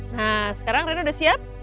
nah sekarang rena udah siap